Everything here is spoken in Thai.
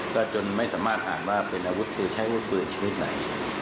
ก็จนไม่สามารถอ่านว่าเป็นอาวุธคือใช้อาวุธปืนชนิดไหน